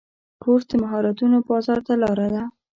کورس د مهارتونو بازار ته لاره ده.